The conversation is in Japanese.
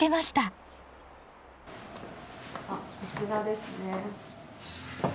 あっこちらですね。